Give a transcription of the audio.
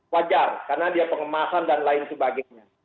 wajar karena dia pengemasan dan lain sebagainya